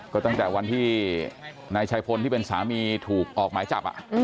ก็ตั้งแต่วันที่นายชัยพลที่เป็นสามีถูกออกหมายจับ